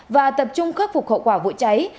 và tập trung khắc phục khẩu quả vụ cháy